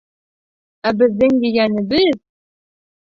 Ә беҙҙең ейәнебеҙ...